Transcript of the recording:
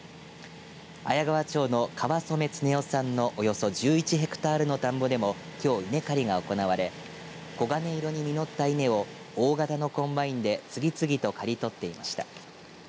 綾川町の川染常男さんのおよそ１１ヘクタールの田んぼでもきょう稲刈りが行われ黄金色に実った稲を大型のコンバインで次々と刈り取っていました。